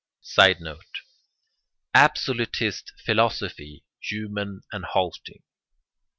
[Sidenote: Absolutist philosophy human and halting.